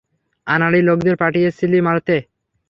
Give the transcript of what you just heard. আনাড়ি লোকদের পাঠিয়েছিলি মারতে।